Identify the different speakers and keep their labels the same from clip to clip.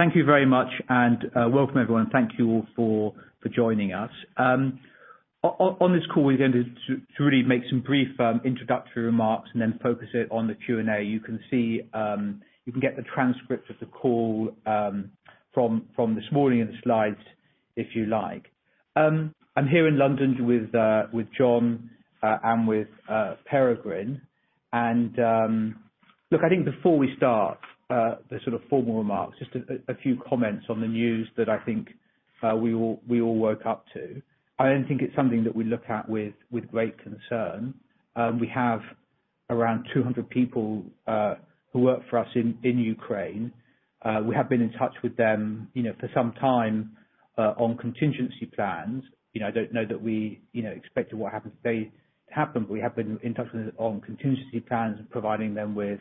Speaker 1: Thank you very much, and welcome everyone. Thank you all for joining us. On this call, we're going to really make some brief introductory remarks, and then focus it on the Q&A. You can get the transcript of the call from this morning and the slides if you like. I'm here in London with John and Peregrine. Look, I think before we start the sort of formal remarks, just a few comments on the news that I think we all woke up to. I don't think it's something that we look at with great concern. We have around 200 people who work for us in Ukraine. We have been in touch with them, you know, for some time, on contingency plans. You know, I don't know that we, you know, expected what happened today to happen, but we have been in touch with them on contingency plans and providing them with,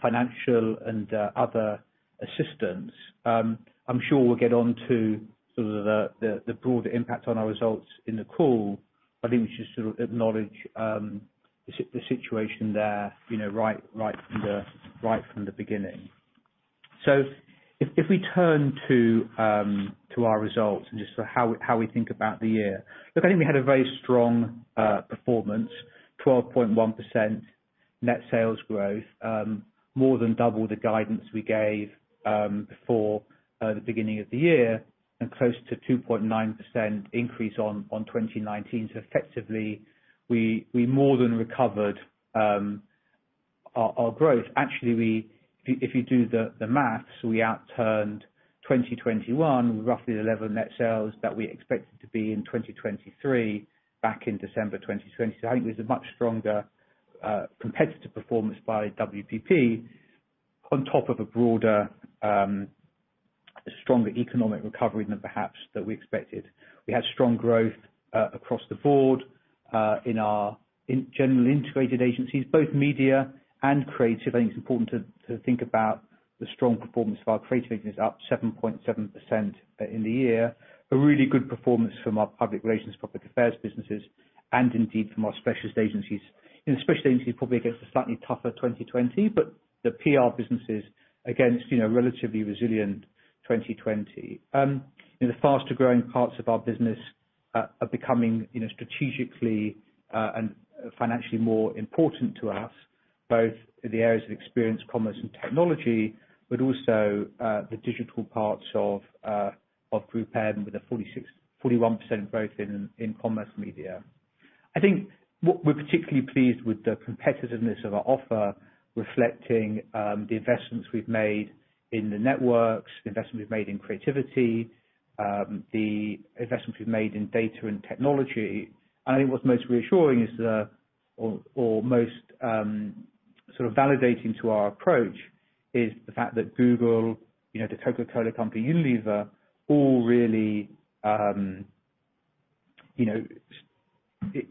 Speaker 1: financial and other assistance. I'm sure we'll get on to sort of the broader impact on our results in the call, but I think we should sort of acknowledge the situation there, you know, right from the beginning. If we turn to our results and just how we think about the year. Look, I think we had a very strong performance, 12.1% net sales growth, more than double the guidance we gave before the beginning of the year, and close to 2.9% increase on 2019. Effectively, we more than recovered our growth. Actually, if you do the math, we outturned 2021 with roughly the level of net sales that we expected to be in 2023 back in December 2020. I think it was a much stronger competitive performance by WPP on top of a broader stronger economic recovery than perhaps that we expected. We had strong growth across the board in general integrated agencies, both media and creative. I think it's important to think about the strong performance of our creative business, up 7.7% in the year. A really good performance from our public relations, public affairs businesses, and indeed from our specialist agencies. You know, specialist agencies probably against a slightly tougher 2020, but the PR businesses against, you know, relatively resilient 2020. You know, the faster-growing parts of our business are becoming, you know, strategically and financially more important to us, both in the areas of experience commerce and technology, but also the digital parts of GroupM, with a 41% growth in commerce media. I think what we're particularly pleased with the competitiveness of our offer reflecting the investments we've made in the networks, the investments we've made in creativity, the investments we've made in data and technology. I think what's most reassuring or most sort of validating to our approach is the fact that Google, you know, The Coca-Cola Company, Unilever, all really, you know,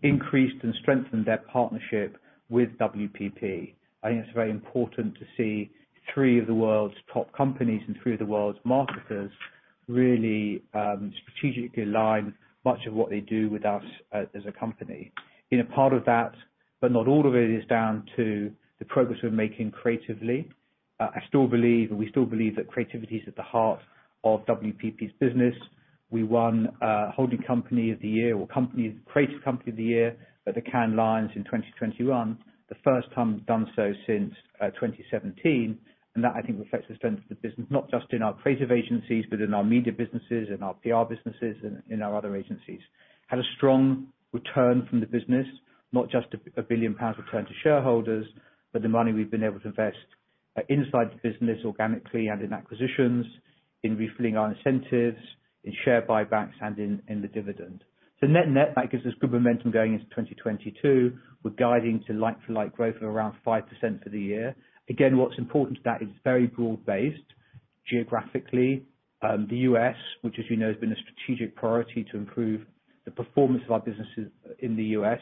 Speaker 1: increased and strengthened their partnership with WPP. I think it's very important to see three of the world's top companies and three of the world's marketers really strategically align much of what they do with us as a company. You know, part of that, but not all of it, is down to the progress we're making creatively. I still believe, and we still believe that creativity is at the heart of WPP's business. We won Holding Company of the Year or Creative Company of the Year at the Cannes Lions in 2021, the first time we've done so since 2017, and that I think reflects the strength of the business, not just in our creative agencies, but in our media businesses and our PR businesses and in our other agencies. Had a strong return from the business, not just a 1 billion pounds return to shareholders, but the money we've been able to invest inside the business organically and in acquisitions, in refilling our incentives, in share buybacks and in the dividend. Net-net, that gives us good momentum going into 2022. We're guiding to like-for-like growth of around 5% for the year. Again, what's important to that, it's very broad-based geographically. The U.S., which as you know, has been a strategic priority to improve the performance of our businesses in the U.S.,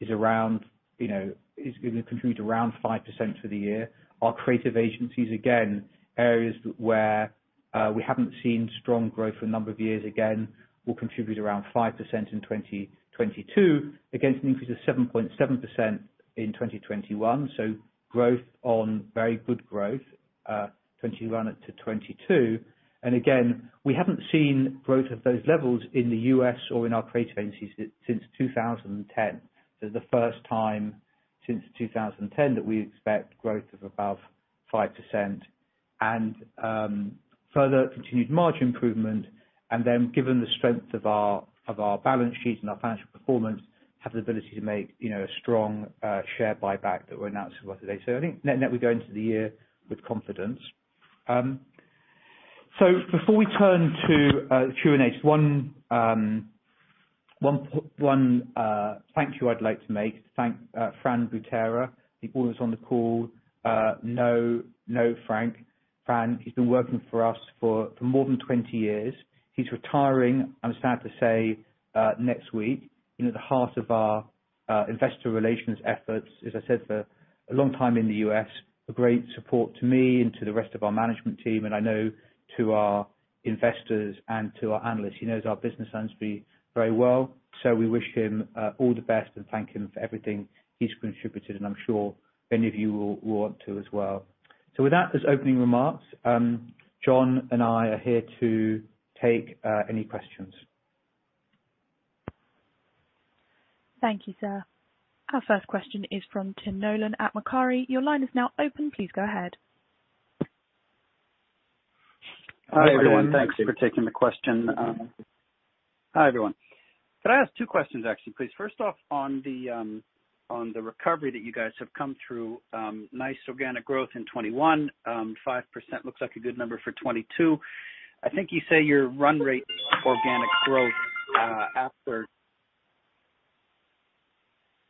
Speaker 1: is gonna contribute around 5% for the year. Our creative agencies, again, areas where we haven't seen strong growth for a number of years, again, will contribute around 5% in 2022 against an increase of 7.7% in 2021. Growth on very good growth 2021-2022. Again, we haven't seen growth of those levels in the U.S. or in our creative agencies since 2010. The first time since 2010 that we expect growth of above 5%. Further continued margin improvement and then given the strength of our balance sheet and our financial performance, have the ability to make, you know, a strong share buyback that we're announcing today. I think net-net, we go into the year with confidence. Before we turn to Q&A, one more thank you, I'd like to thank Fran Butera. He brought us on the call. You know, Fran. He's been working for us for more than 20 years. He's retiring, I'm sad to say, next week. You know, at the heart of our investor relations efforts, as I said, for a long time in the U.S., a great support to me and to the rest of our management team, and I know to our investors and to our analysts. He knows our business understandably very well. We wish him all the best and thank him for everything he's contributed, and I'm sure many of you will want to as well. With that, as opening remarks, John and I are here to take any questions.
Speaker 2: Thank you, sir. Our first question is from Tim Nollen at Macquarie. Your line is now open. Please go ahead.
Speaker 3: Hi everyone. Thanks for taking the question. Hi, everyone. Could I ask two questions actually, please? First off, on the recovery that you guys have come through, nice organic growth in 2021. 5% looks like a good number for 2022. I think you say your run rate organic growth after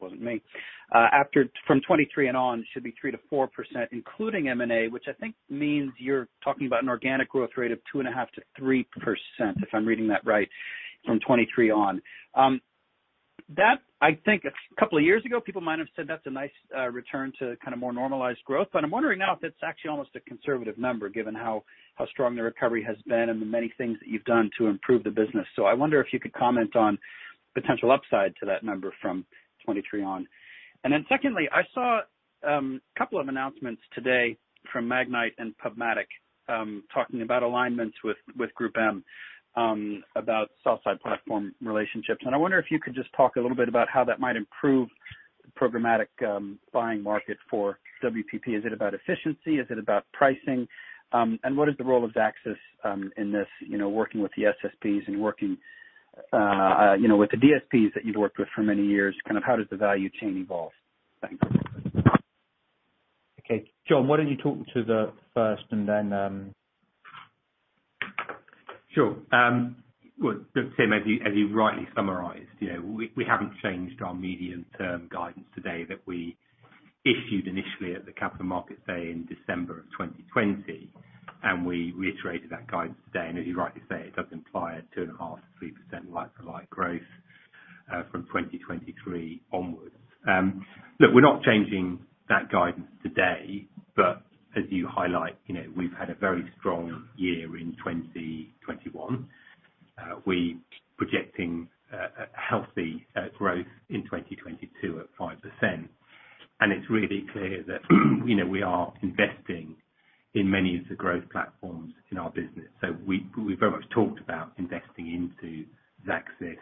Speaker 3: 2023 and on should be 3%-4% including M&A, which I think means you're talking about an organic growth rate of 2.5%-3%, if I'm reading that right from 2023 on. That, I think a couple of years ago, people might have said that's a nice return to kind of more normalized growth, but I'm wondering now if that's actually almost a conservative number given how strong the recovery has been and the many things that you've done to improve the business. I wonder if you could comment on potential upside to that number from 2023 on. Then secondly, I saw couple of announcements today from Magnite and PubMatic talking about alignments with GroupM about sell-side platform relationships. I wonder if you could just talk a little bit about how that might improve programmatic buying market for WPP. Is it about efficiency? Is it about pricing? What is the role of Xaxis, you know, in this, working with the SSPs and working, you know, with the DSPs that you've worked with for many years, kind of how does the value chain evolve? Thanks.
Speaker 1: Okay. John, why don't you talk to the first and then,
Speaker 4: Sure. Well, Tim, as you rightly summarized, you know, we haven't changed our medium-term guidance today that we issued initially at the Capital Markets Day in December of 2020, and we reiterated that guidance today. As you rightly say, it does imply a 2.5%-3% like-for-like growth from 2023 onwards. Look, we're not changing that guidance today, but as you highlight, you know, we've had a very strong year in 2021. We projecting a healthy growth in 2022 at 5%. It's really clear that you know, we are investing in many of the growth platforms in our business. We very much talked about investing into Xaxis,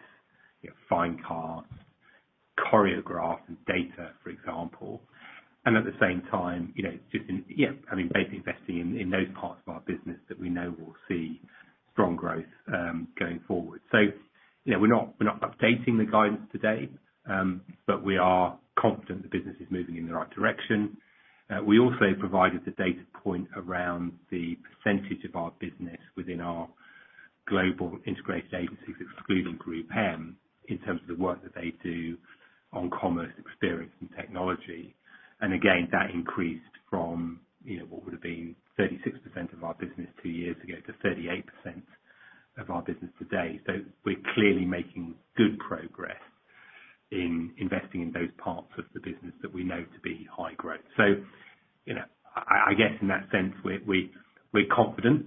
Speaker 4: you know, Finecast, Choreograph data, for example. At the same time, you know, just in, yeah, I mean, basically investing in those parts of our business that we know will see strong growth going forward. You know, we're not updating the guidance today, but we are confident the business is moving in the right direction. We also provided the data point around the percentage of our business within our global integrated agencies, excluding GroupM, in terms of the work that they do on commerce experience and technology. Again, that increased from, you know, what would have been 36% of our business two years ago to 38% of our business today. We're clearly making good progress in investing in those parts of the business that we know to be high growth. You know, I guess in that sense, we're confident.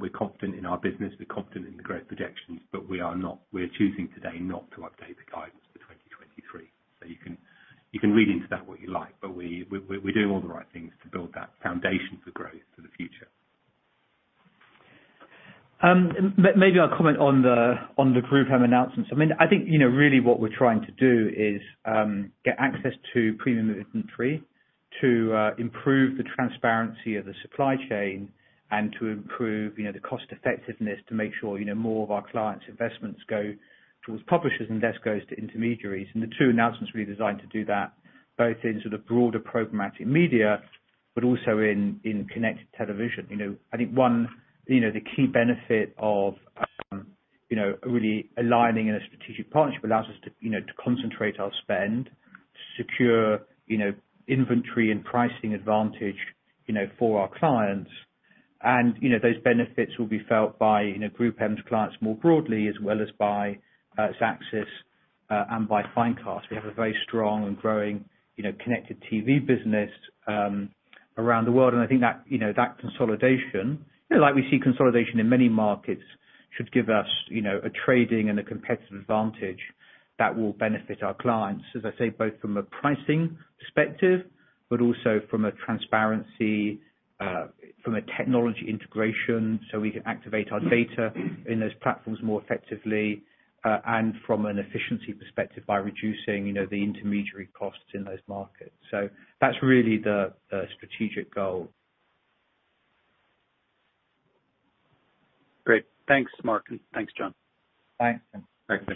Speaker 4: We're confident in our business, we're confident in the growth projections. We're choosing today not to update the guidance for 2023. You can read into that what you like, but we're doing all the right things to build that foundation for growth for the future.
Speaker 1: Maybe I'll comment on the GroupM announcement. I mean, I think, you know, really what we're trying to do is get access to premium inventory to improve the transparency of the supply chain and to improve, you know, the cost effectiveness to make sure, you know, more of our clients' investments go towards publishers and less goes to intermediaries. The two announcements we designed to do that, both in sort of broader programmatic media, but also in connected television. You know, I think one, you know, the key benefit of, you know, really aligning in a strategic partnership allows us to, you know, to concentrate our spend, secure, you know, inventory and pricing advantage, you know, for our clients. You know, those benefits will be felt by, you know, GroupM's clients more broadly, as well as by Xaxis and by Finecast. We have a very strong and growing, you know, connected TV business around the world. I think that, you know, that consolidation, you know, like we see consolidation in many markets should give us, you know, a trading and a competitive advantage that will benefit our clients, as I say, both from a pricing perspective, but also from a transparency, from a technology integration, so we can activate our data in those platforms more effectively and from an efficiency perspective by reducing, you know, the intermediary costs in those markets. That's really the strategic goal.
Speaker 3: Great. Thanks, Mark, and thanks, John.
Speaker 1: Thanks.
Speaker 4: Thank you.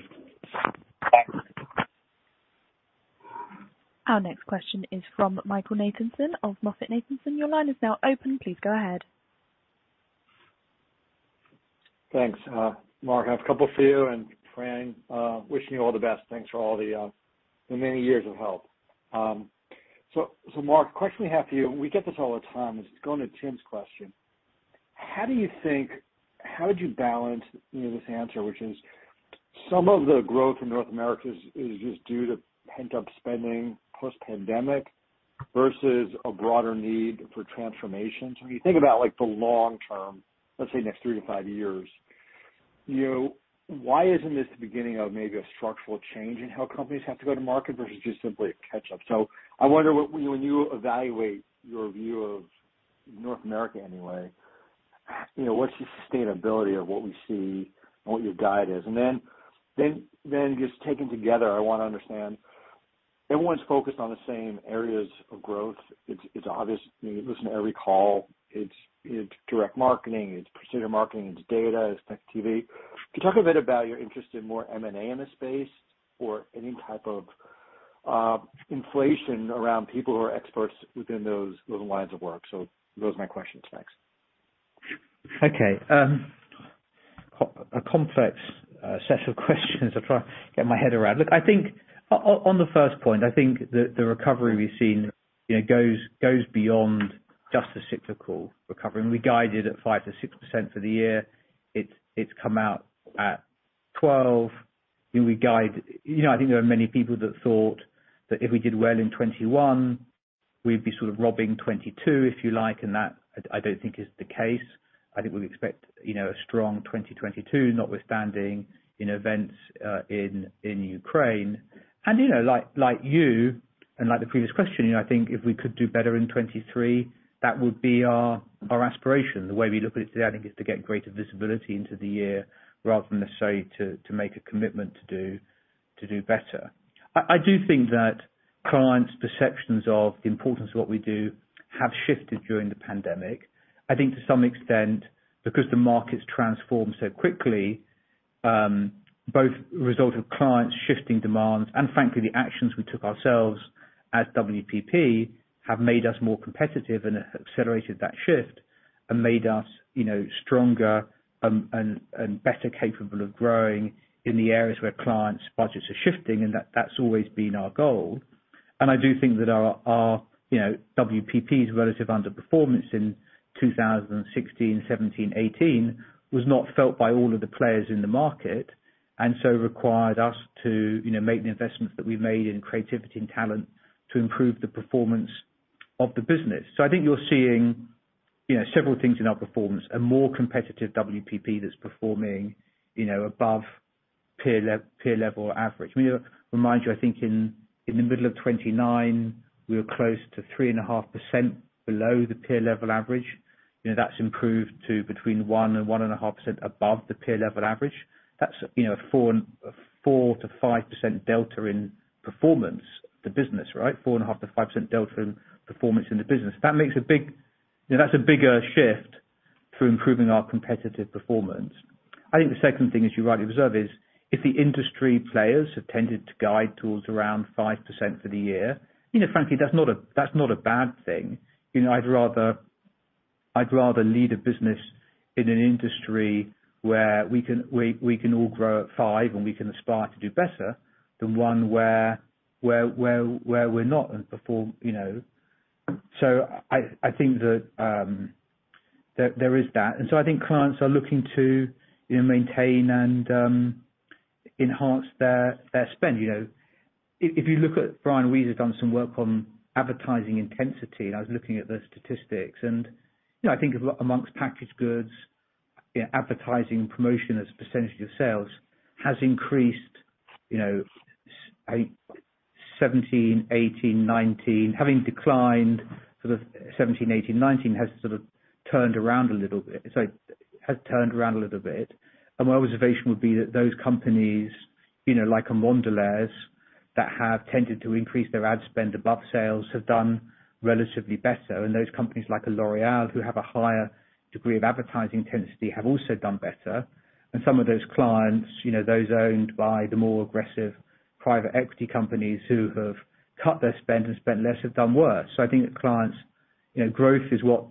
Speaker 2: Our next question is from Michael Nathanson of MoffettNathanson. Your line is now open. Please go ahead.
Speaker 5: Thanks. Mark, I have a couple for you and Fran. Wishing you all the best. Thanks for all the many years of help. Mark, question we have for you, and we get this all the time, is going to Tim's question. How would you balance, you know, this answer, which is some of the growth in North America is just due to pent-up spending post-pandemic versus a broader need for transformation. When you think about like the long-term, let's say next three to five years, you know, why isn't this the beginning of maybe a structural change in how companies have to go to market versus just simply a catch-up? I wonder when you evaluate your view of North America anyway, you know, what's the sustainability of what we see and what your guide is? Just taken together, I wanna understand everyone's focused on the same areas of growth. It's obvious. You listen to every call, it's direct marketing, it's programmatic marketing, it's data, it's TV. Can you talk a bit about your interest in more M&A in this space or any type of inflation around people who are experts within those lines of work? Those are my questions. Thanks.
Speaker 1: Okay. A complex set of questions I'm trying to get my head around. Look, I think on the first point, I think the recovery we've seen, you know, goes beyond just the cyclical recovery. We guided at 5%-6% for the year. It's come out at 12%. We guide. You know, I think there are many people that thought that if we did well in 2021, we'd be sort of robbing 2022, if you like, and that I don't think is the case. I think we'll expect, you know, a strong 2022, notwithstanding, you know, events in Ukraine. You know, like you, and like the previous question, you know, I think if we could do better in 2023, that would be our aspiration. The way we look at it today, I think, is to get greater visibility into the year rather than necessarily to make a commitment to do better. I do think that clients' perceptions of the importance of what we do have shifted during the pandemic. I think to some extent, because the market's transformed so quickly, both a result of clients shifting demands and frankly, the actions we took ourselves as WPP, have made us more competitive and accelerated that shift and made us, you know, stronger and better capable of growing in the areas where clients' budgets are shifting, and that's always been our goal. I do think that our you know WPP's relative underperformance in 2016, 2017, 2018 was not felt by all of the players in the market, and so required us to you know make the investments that we made in creativity and talent to improve the performance of the business. I think you're seeing you know several things in our performance. A more competitive WPP that's performing you know above peer level average. Let me remind you, I think in the middle of 2019, we were close to 3.5% below the peer level average. You know, that's improved to between 1% and 1.5% above the peer level average. That's you know four to five percent delta in performance the business, right? 4.5%-5% delta in performance in the business. You know, that's a bigger shift for improving our competitive performance. I think the second thing, as you rightly observe, is if the industry players have tended to guide to around 5% for the year, you know, frankly, that's not a bad thing. You know, I'd rather lead a business in an industry where we can all grow at 5%, and we can aspire to do better than one where we're not and perform, you know. I think that there is that. I think clients are looking to, you know, maintain and enhance their spend, you know. If you look at Brian Wieser has done some work on advertising intensity, and I was looking at the statistics and, you know, I think among packaged goods, you know, advertising promotion as a percent of the sales has increased, you know, in 2017, 2018, 2019, has turned around a little bit. My observation would be that those companies, you know, like a Mondelez, that have tended to increase their ad spend above sales, have done relatively better. Those companies like a L'Orèal, who have a higher degree of advertising intensity, have also done better. Some of those clients, you know, those owned by the more aggressive private equity companies who have cut their spend and spent less, have done worse. I think that clients, you know, growth is what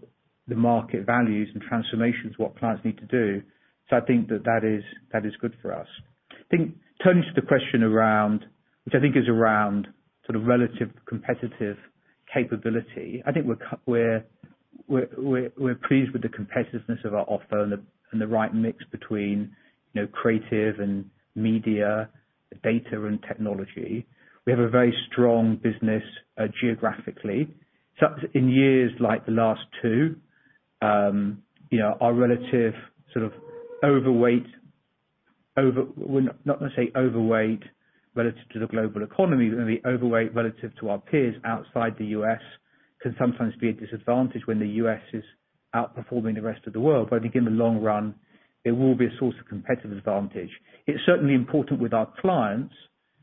Speaker 1: the market values and transformation is what clients need to do. I think that is good for us. I think turning to the question around, which I think is around sort of relative competitive capability, I think we're pleased with the competitiveness of our offer and the right mix between, you know, creative and media, data and technology. We have a very strong business geographically. In years like the last two, you know, our relative sort of overweight. We're not gonna say overweight relative to the global economy, but overweight relative to our peers outside the U.S. can sometimes be a disadvantage when the U.S. is outperforming the rest of the world. I think in the long run, it will be a source of competitive advantage. It's certainly important with our clients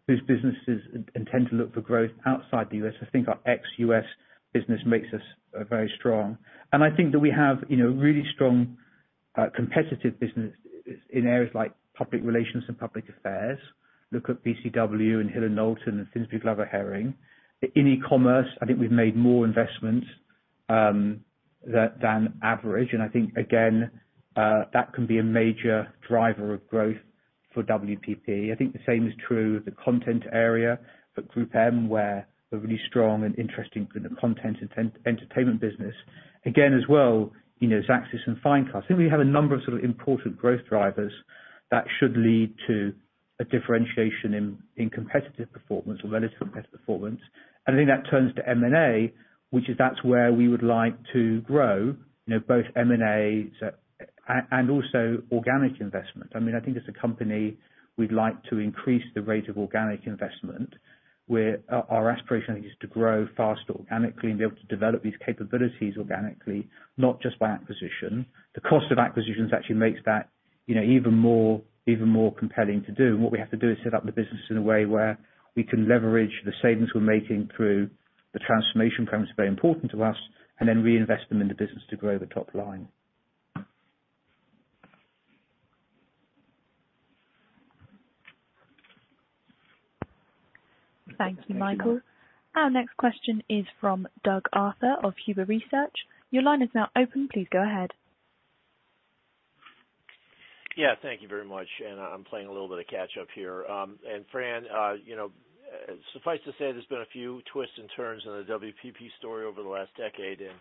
Speaker 1: whose businesses intend to look for growth outside the U.S. I think our ex-U.S. business makes us very strong. I think that we have, you know, really strong competitive business in areas like public relations and public affairs. Look at BCW and Hill & Knowlton and Finsbury Glover Hering. In e-commerce, I think we've made more investments than average. I think again that can be a major driver of growth for WPP. I think the same is true of the content area for GroupM, where we're really strong and interesting kind of content entertainment business. Again, as well, you know, Xaxis and Finecast. I think we have a number of sort of important growth drivers that should lead to a differentiation in competitive performance, relative competitive performance. I think that turns to M&A, that's where we would like to grow, you know, both M&A and also organic investment. I mean, I think as a company, we'd like to increase the rate of organic investment, where our aspiration is to grow fast organically and be able to develop these capabilities organically, not just by acquisition. The cost of acquisitions actually makes that, you know, even more compelling to do. What we have to do is set up the business in a way where we can leverage the savings we're making through the transformation program that's very important to us, and then reinvest them in the business to grow the top line.
Speaker 2: Thank you, Michael. Our next question is from Doug Arthur of Huber Research. Your line is now open. Please go ahead.
Speaker 6: Yeah, thank you very much. I'm playing a little bit of catch up here. Fran, you know, suffice to say there's been a few twists and turns in the WPP story over the last decade, and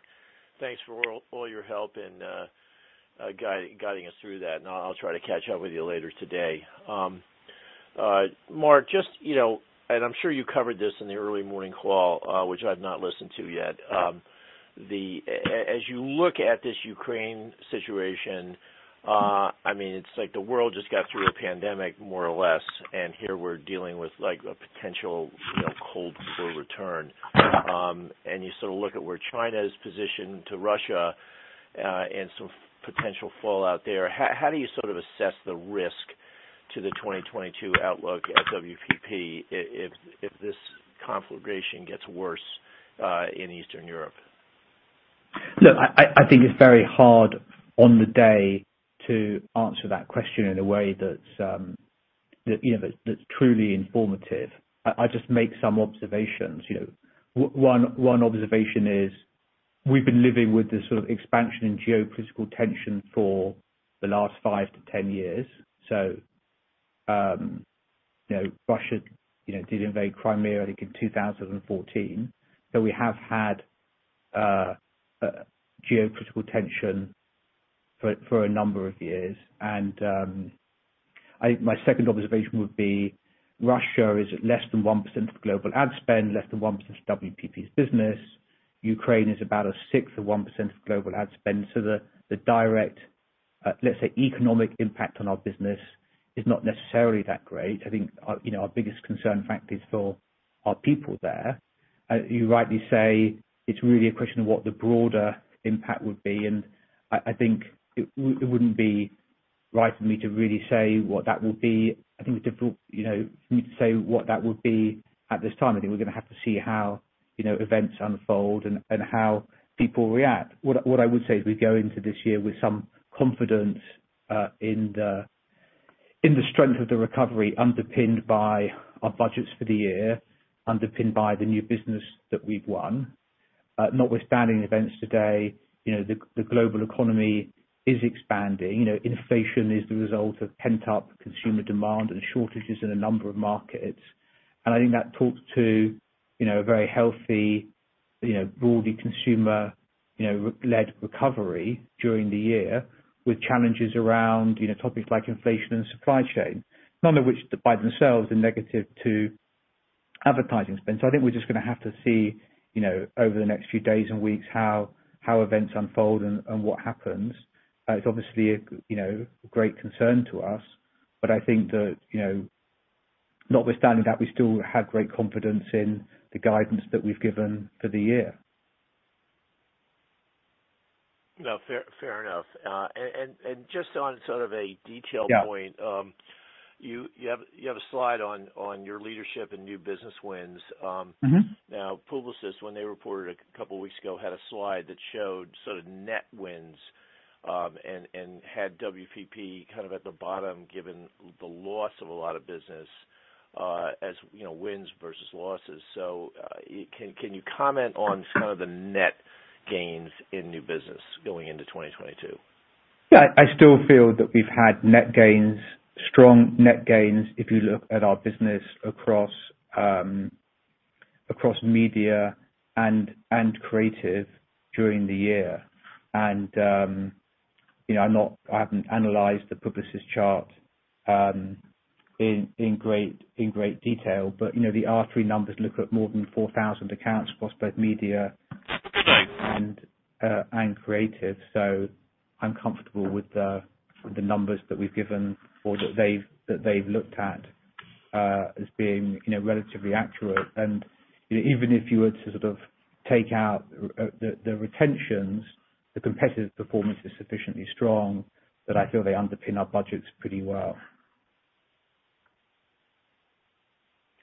Speaker 6: thanks for all your help and guiding us through that, and I'll try to catch up with you later today. Mark, just, you know, I'm sure you covered this in the early morning call, which I've not listened to yet. As you look at this Ukraine situation, I mean, it's like the world just got through a pandemic, more or less, and here we're dealing with like a potential, you know, Cold War return. You sort of look at where China is positioned to Russia, and some potential fallout there. How do you sort of assess the risk to the 2022 outlook at WPP if this conflagration gets worse in Eastern Europe?
Speaker 1: Look, I think it's very hard on the day to answer that question in a way that's, you know, that's truly informative. I just make some observations. You know, one observation is we've been living with this sort of expansion in geopolitical tension for the last 5-10 years. You know, Russia, you know, did invade Crimea, I think, in 2014. We have had geopolitical tension for a number of years. I think my second observation would be Russia is less than 1% of global ad spend, less than 1% of WPP's business. Ukraine is about a sixth of 1% of global ad spend. The direct, let's say, economic impact on our business is not necessarily that great. I think, you know, our biggest concern, in fact, is for our people there. You rightly say it's really a question of what the broader impact would be, and I think it wouldn't be right for me to really say what that would be. I think it's difficult, you know, for me to say what that would be at this time. I think we're gonna have to see how, you know, events unfold and how people react. What I would say is we go into this year with some confidence in the strength of the recovery underpinned by our budgets for the year, underpinned by the new business that we've won. Notwithstanding events today, you know, the global economy is expanding. You know, inflation is the result of pent-up consumer demand and shortages in a number of markets. I think that talks to, you know, a very healthy, you know, broadly consumer-led recovery during the year, with challenges around, you know, topics like inflation and supply chain, none of which by themselves are negative to advertising spend. I think we're just gonna have to see, you know, over the next few days and weeks how events unfold and what happens. It's obviously a, you know, a great concern to us, but I think that, you know, notwithstanding that, we still have great confidence in the guidance that we've given for the year.
Speaker 6: No. Fair enough. Just on sort of a detail point.
Speaker 1: Yeah.
Speaker 6: You have a slide on your leadership and new business wins.
Speaker 1: Mm-hmm.
Speaker 6: Now, Publicis, when they reported a couple weeks ago, had a slide that showed sort of net wins, and had WPP kind of at the bottom, given the loss of a lot of business, as you know, wins versus losses. Can you comment on some of the net gains in new business going into 2022?
Speaker 1: Yeah. I still feel that we've had net gains, strong net gains, if you look at our business across media and creative during the year. I haven't analyzed the Publicis chart in great detail, but you know, the R3 numbers look at more than 4,000 accounts across both media and creative. I'm comfortable with the numbers that we've given or that they've looked at as being you know, relatively accurate. Even if you were to sort of take out the retentions, the competitive performance is sufficiently strong that I feel they underpin our budgets pretty well.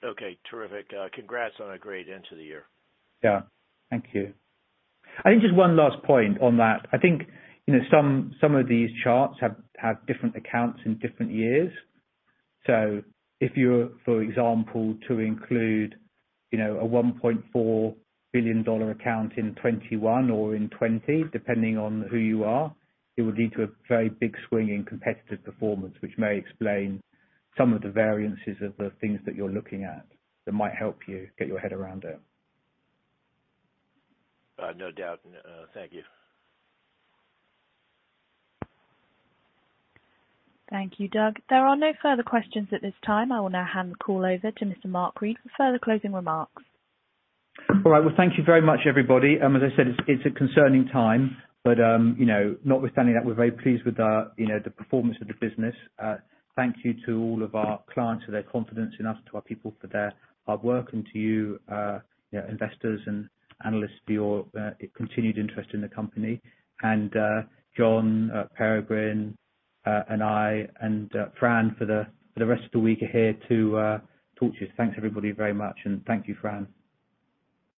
Speaker 6: Okay, terrific. Congrats on a great end to the year.
Speaker 1: Yeah. Thank you. I think just one last point on that. I think, you know, some of these charts have different accounts in different years. If you're, for example, to include, you know, a $1.4 billion account in 2021 or in 2020, depending on who you are, it would lead to a very big swing in competitive performance, which may explain some of the variances of the things that you're looking at, that might help you get your head around it.
Speaker 6: No doubt. Thank you.
Speaker 2: Thank you, Doug. There are no further questions at this time. I will now hand the call over to Mr. Mark Read for further closing remarks.
Speaker 1: All right. Well, thank you very much, everybody. As I said, it's a concerning time, but you know, notwithstanding that, we're very pleased with the you know, the performance of the business. Thank you to all of our clients for their confidence in us, to our people for their hard work, and to you you know, investors and analysts, for your continued interest in the company. John, Peregrine, and I, and Fran, for the rest of the week are here to talk to you. Thanks everybody, very much. Thank you, Fran.